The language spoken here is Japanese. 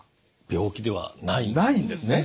病気ではないんですね。